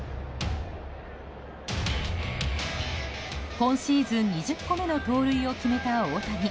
今シーズン２０個目の盗塁を決めた大谷。